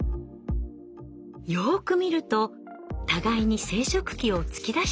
よく見ると互いに生殖器を突き出しています。